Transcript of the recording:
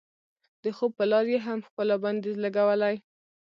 د خوب په لار یې هم ښکلا بندیز لګولی.